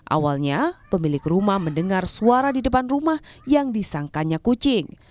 awalnya pemilik rumah mendengar suara di depan rumah yang disangkanya kucing